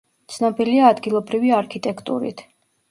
ცნობილია ადგილობრივი არქიტექტურით.